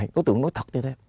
đối tượng nói thật như thế